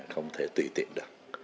không thể tùy tiện được